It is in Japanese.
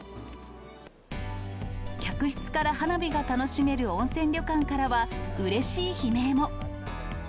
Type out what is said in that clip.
客室から花火が楽しめる温泉旅館からは、うれしい悲鳴も。